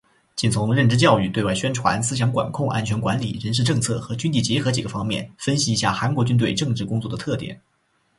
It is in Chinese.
请从认知教育、对外宣传、思想管控、安全管理、人事政策和军地结合几个方面分析一下韩国军队政治工作的特点。